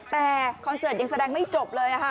แต่คอนเสิร์ตยังแสดงไม่จบเลยค่ะ